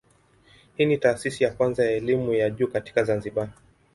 Hii ni taasisi ya kwanza ya elimu ya juu katika Zanzibar.